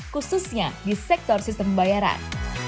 khususnya di sektor sistem pembayaran